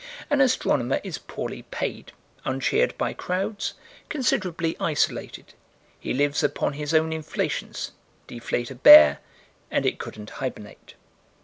An astronomer is poorly paid, uncheered by crowds, considerably isolated: he lives upon his own inflations: deflate a bear and it couldn't hibernate.